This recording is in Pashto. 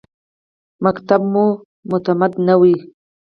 ښوونځی مو متمدنوي